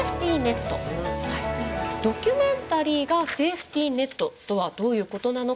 ドキュメンタリーがセーフティネットとはどういうことなのか。